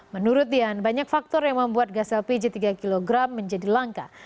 menurut dian banyak faktor yang membuat gas lpg tiga kg menjadi langka